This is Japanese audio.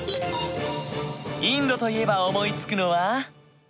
インドと言えば思いつくのは？